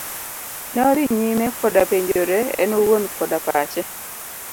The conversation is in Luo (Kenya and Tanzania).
Ne odhi nyime koda penjore en owuon koda pache.